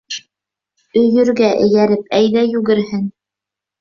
Өйөргә эйәреп, әйҙә, йүгерһен.